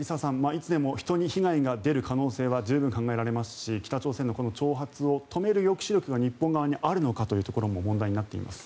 いつでも人に被害が出る可能性は十分考えられますし北朝鮮のこの挑発を止める抑止力が日本側にあるのかというところも問題になっています。